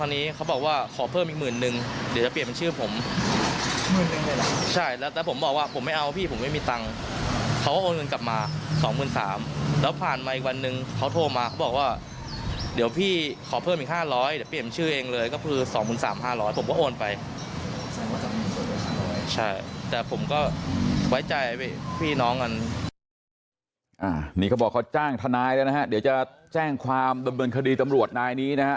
นี่เขาบอกเขาจ้างทนายแล้วนะฮะเดี๋ยวจะแจ้งความดำเนินคดีตำรวจนายนี้นะฮะ